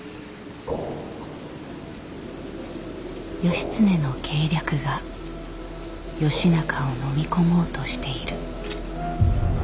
義経の計略が義仲をのみ込もうとしている。